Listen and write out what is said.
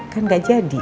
kan gak jadi